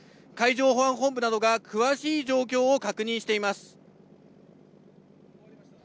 海上保安本部などが詳しい状況を確認しています。